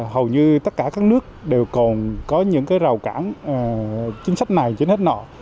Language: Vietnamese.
hầu như tất cả các nước đều còn có những cái rào cản chính sách này trên hết nọ